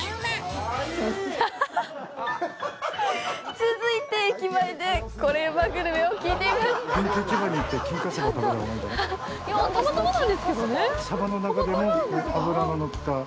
続いて駅前でコレうまグルメを聞いてみます。